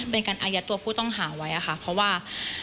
เป็นการอายัดตัวผู้ต้องหาไว้ค่ะเพราะว่า